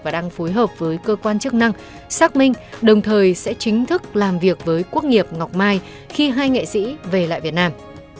và đang phối hợp với cơ quan chức năng xác minh đồng thời sẽ chính thức làm việc với quốc nghiệp ngọc mai khi hai nghệ sĩ về lại việt nam